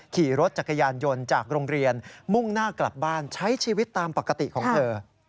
ขี่รถจักรยานยนต์จากโรงเรียนมุ่งหน้ากลับบ้านใช้ชีวิตตามปกติของเธอ